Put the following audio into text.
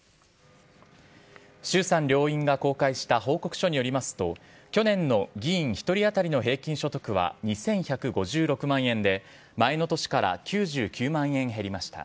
衆参両院が公開した報告書によりますと、去年の議員１人当たりの平均所得は２１５６万円で、前の年から９９万円減りました。